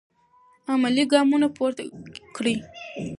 عملي ګامونه پورته کړئ.